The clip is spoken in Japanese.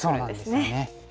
そうなんですよね。